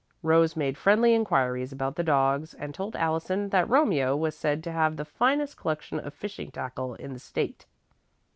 Rose made friendly inquiries about the dogs and told Allison that Romeo was said to have the finest collection of fishing tackle in the State.